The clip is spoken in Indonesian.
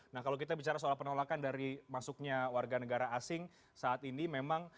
nah kalau kita bicara soal penolakan dari masuknya warga negara asing saat ini memang